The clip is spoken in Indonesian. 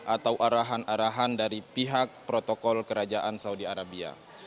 atau arahan arahan dari pihak protokol kerajaan saudi arabia